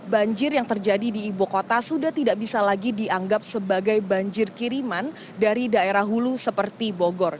banjir yang terjadi di ibu kota sudah tidak bisa lagi dianggap sebagai banjir kiriman dari daerah hulu seperti bogor